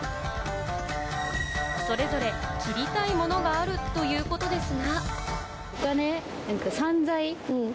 それぞれ切りたいものがあるということですが。